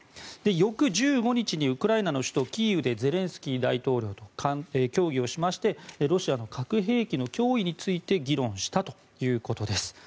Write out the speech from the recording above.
翌１５日にウクライナの首都キーウでゼレンスキー大統領と協議をしましてロシアの核兵器の脅威について議論したということです。